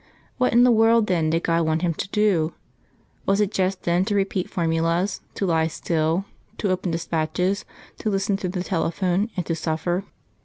What in the world then did God want him to do? Was it just then to repeat formulas, to lie still, to open despatches, to listen through the telephone, and to suffer?